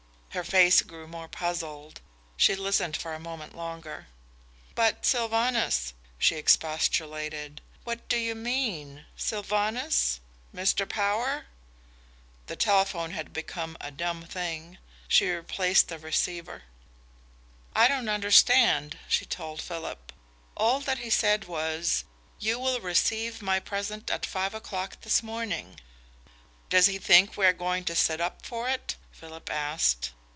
Her face grew more puzzled. She listened for a moment longer. "But, Sylvanus," she expostulated, "what do you mean?... Sylvanus?... Mr. Power?" The telephone had become a dumb thing. She replaced the receiver. "I don't understand," she told Philip. "All that he said was 'You will receive my present at five o'clock this morning!'" "Does he think we are going to sit up for it?" Philip asked.